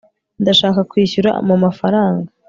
ndashaka kwishyura mumafaranga